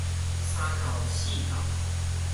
三扣四扣